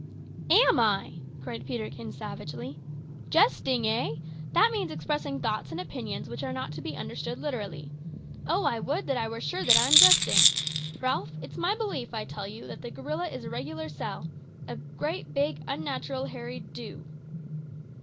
"Am I?" cried Peterkin savagely "jesting, eh? That means expressing thoughts and opinions which are not to be understood literally. Oh, I would that I were sure that I am jesting! Ralph, it's my belief, I tell you, that the gorilla is a regular sell a great, big, unnatural hairy do!"